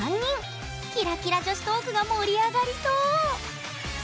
キラキラ女子トークが盛り上がりそう！